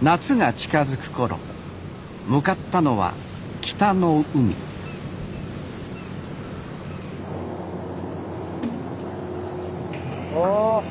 夏が近づく頃向かったのは北の海あ。